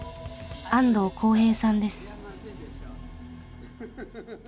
安藤紘平さんです。